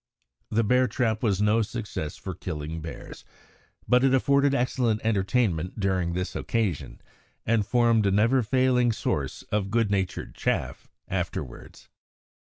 The bear trap was no success for killing bears, but it afforded excellent entertainment during this occasion, and formed a never failing source of good natured chaff afterwards.